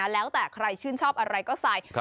แล้วแต่ใครชื่นชอบอะไรก็ใส่